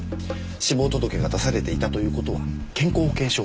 死亡届が出されていたという事は健康保険証を持っていなかった。